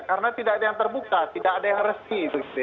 karena tidak ada yang terbuka tidak ada yang resmi